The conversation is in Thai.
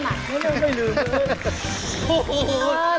เรียกไม่ลืมเลย